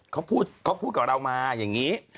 เขาพูดกับเรามาอย่างนี้